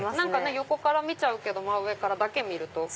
横から見ちゃうけど真上からだけ見ると。